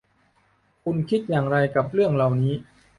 คุณคิดอย่างไรกับเรื่องเหล่านี้